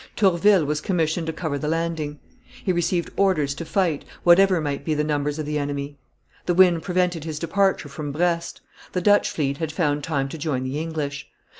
Tourville was commissioned to cover the landing. He received orders to fight, whatever might be the numbers of the enemy. The wind prevented his departure from Brest; the Dutch fleet had found time to join the English.